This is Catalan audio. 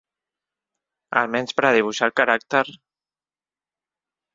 Al menys per a dibuixar el caràcter…